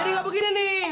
jadi gak begini nih